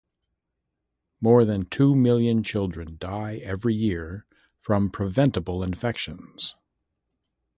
More than two million children die every year from preventable infections.